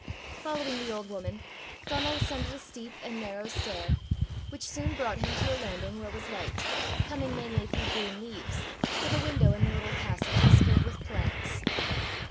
Following the old woman, Donal ascended a steep and narrow stair, which soon brought him to a landing where was light, coming mainly through green leaves, for the window in the little passage was filled with plants.